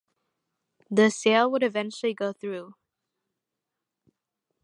The sale would eventually go through.